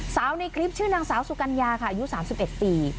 ในคลิปชื่อนางสาวสุกัญญาค่ะอายุ๓๑ปี